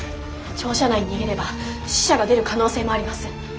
庁舎内に逃げれば死者が出る可能性もあります。